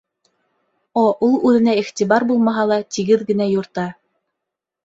О ул үҙенә иғтибар булмаһа ла тигеҙ генә юрта.